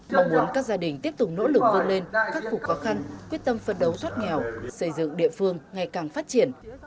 mong muốn các gia đình tiếp tục nỗ lực vươn lên khắc phục khó khăn quyết tâm phân đấu thoát nghèo xây dựng địa phương ngày càng phát triển